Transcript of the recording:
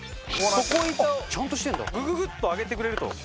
底板をグググッと上げてくれると。